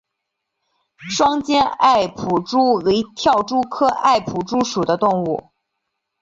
双尖艾普蛛为跳蛛科艾普蛛属的动物。